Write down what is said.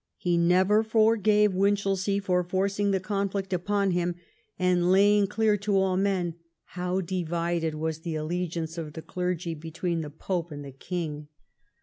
He never forgave Winchelsea for forcing the conflict upon him and laying clear to all men how divided was the allegiance of the clergy between the pope and the king.